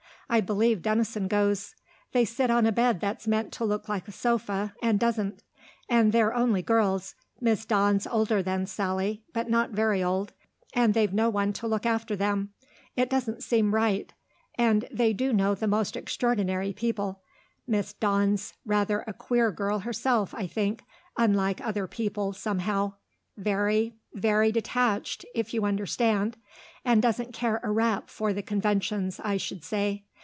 I believe Denison goes. They sit on a bed that's meant to look like a sofa and doesn't. And they're only girls Miss Dawn's older than Sally, but not very old and they've no one to look after them; it doesn't seem right. And they do know the most extraordinary people. Miss Dawn's rather a queer girl herself, I think; unlike other people, somehow. Very very detached, if you understand; and doesn't care a rap for the conventions, I should say.